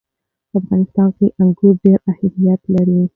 په افغانستان کې انګور ډېر اهمیت لري.